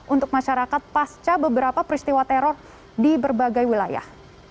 untuk masyarakat pasca beberapa peristiwa teror di berbagai wilayah